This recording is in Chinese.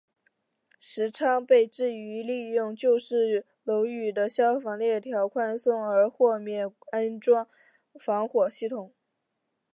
时昌被质疑利用旧式楼宇的消防条例宽松而豁免安装防火系统。